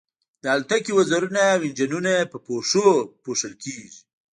د الوتکې وزرونه او انجنونه په پوښونو پوښل کیږي